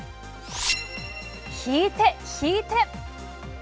引いて、引いて！